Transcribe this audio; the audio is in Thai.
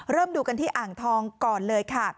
ดูกันที่อ่างทองก่อนเลยค่ะ